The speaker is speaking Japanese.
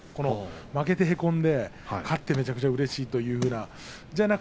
負けてへこんで勝ってめちゃくちゃうれしいというような。